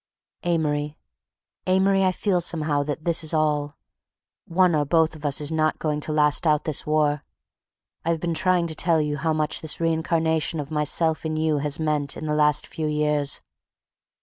Amory—Amory—I feel, somehow, that this is all; one or both of us is not going to last out this war.... I've been trying to tell you how much this reincarnation of myself in you has meant in the last few years...